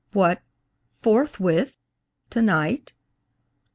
What! forthwith? tonight?